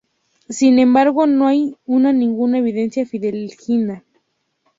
Sin embargo no hay una ninguna evidencia fidedigna.